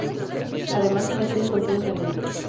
Además, el castillo contiene una ermita.